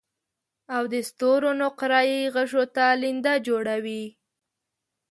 او د ستورو نقره يي غشو ته لینده جوړوي